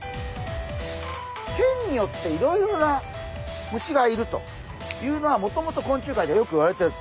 県によっていろいろな虫がいるというのはもともと昆虫界ではよくいわれている。